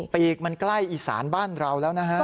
ปีกมันใกล้อีสานบ้านเราแล้วนะฮะ